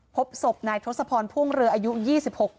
พบศพนายทศพรพ่วงเรืออายุ๒๖ปี